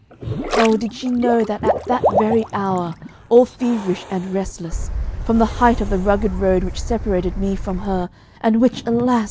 Oh, did she know that at that very hour, all feverish and restless from the height of the rugged road which separated me from her, and which, alas!